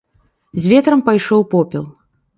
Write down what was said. З ветрам пайшоў попел.